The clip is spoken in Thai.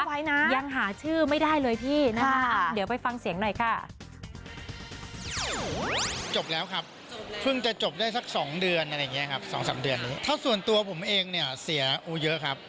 ผมเองเนี่ยเสียเยอะครับเยอะเยอะกับค่าเดินทางอะไรอย่างนี้ครับ